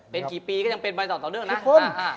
เป็นกี่ปีก็ยังเป็นใบต่อต่อเนื่องนะ